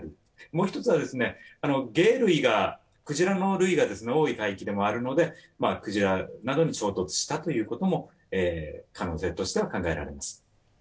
もう一つは、鯨類が多い海域でもあるので鯨などに衝突したということも可能性としては考えられます。